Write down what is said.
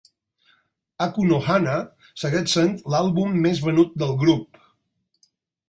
"Aku no Hana" segueix sent l'àlbum més venut del grup.